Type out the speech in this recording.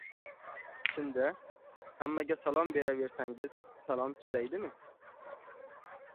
Chin-da, hammaga salom beraversangiz… salom chidaydimi?